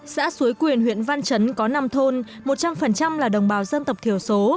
xã suối quyền huyện văn trấn có năm thôn một trăm linh là đồng bào dân tộc thiểu số